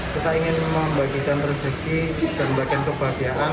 kita ingin membagikan rezeki dan bagian kebahagiaan